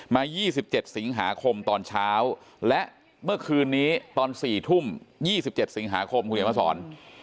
มา๒๗สิงหาคมตอนเช้าและเมื่อคืนนี้ตอน๔ทุ่ม๒๗สิงหาคมคุณเขียนมาสอน